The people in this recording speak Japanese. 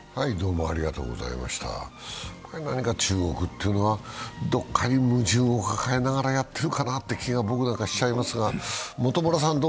何か中国というのはどっかに矛盾を抱えながらやってるかなという僕なんかは気がしちゃいますが？